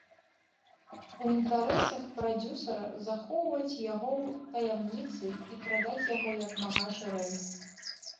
У інтарэсах прадзюсара захоўваць яго ў таямніцы і прадаць яго як мага шырэй.